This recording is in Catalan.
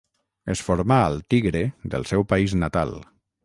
Es formà al Tigre del seu país natal.